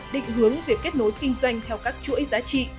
định hướng việc kết nối kinh doanh theo các chuỗi giá trị